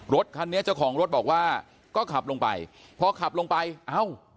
รถคันนี้เจ้าของรถบอกว่าก็ขับลงไปพอขับลงไปเอ้า